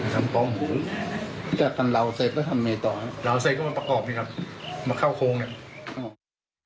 ทำปล้องหมูแต่ทำราวเซฟก็ทำไม่ต่อราวเซฟก็มันประกอบนี่ครับมาเข้าโค้งเนี่ย